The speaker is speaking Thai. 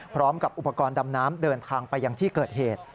พร้อมกับอุปกรณ์ดำน้ำเดินทางไปยังที่เกิดเหตุ